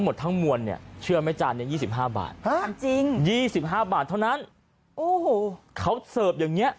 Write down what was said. หมดทั้งมวลเนี่ยเชื่อไหมจล๒๕บาทอาจจริง๒๕บาทเท่านั้นเขาเสริมอย่างเงี้ย